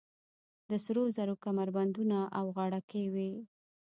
د سرو زرو کمربندونه او غاړکۍ وې